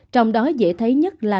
trong đó dễ thấy nhất là